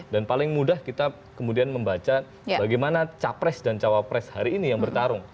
dan paling mudah kita kemudian membaca bagaimana capres dan cawapres hari ini yang bertarung